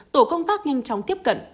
tổ công tác nhanh chóng tiếp cận